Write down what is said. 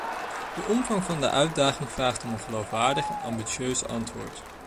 De omvang van de uitdaging vraagt om een geloofwaardig en ambitieus antwoord.